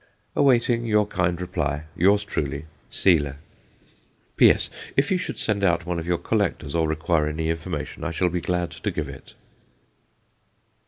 Awaiting your kind reply, Yours truly, SEYLER. P.S. If you should send out one of your collectors, or require any information, I shall be glad to give it.